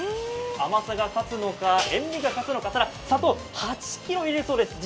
塩味が勝つのか砂糖が勝つのか、ただ、砂糖８ｋｇ入れるそうです。